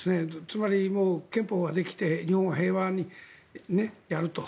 つまり、憲法ができて日本は平和にやると。